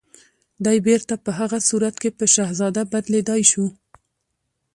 دی بيرته په هغه صورت کې په شهزاده بدليدای شو